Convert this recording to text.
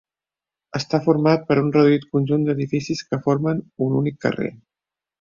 Està format per un reduït conjunt d'edificis que formen un únic carrer.